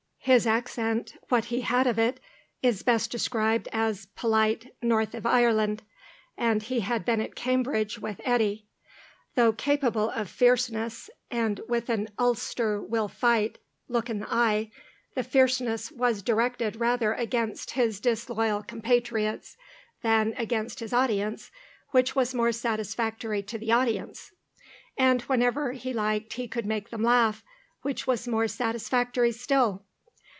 His accent, what he had of it, is best described as polite North of Ireland, and he had been at Cambridge with Eddy. Though capable of fierceness, and with an Ulster will fight look in the eye, the fierceness was directed rather against his disloyal compatriots than against his audience, which was more satisfactory to the audience. And whenever he liked he could make them laugh, which was more satisfactory still.